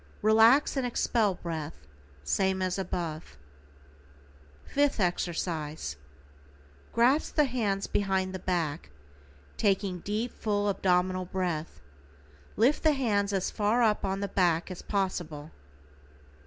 Relax and expel breath same as above. =FIFTH EXERCISE:= Grasp the hands behind the back, taking deep, full abdominal breath, lift the hands as far up on the back as possible.